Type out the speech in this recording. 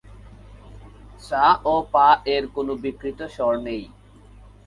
সা ও পা এর কোন বিকৃত স্বর নেই।